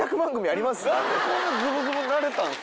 何でこんなずぶずぶになれたんすか？